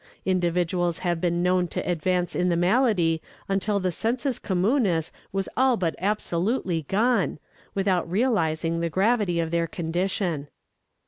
Individuals have been known to advance in the malady until the sensus communis was all but absolutely gone, without realizing the gravity of their condition.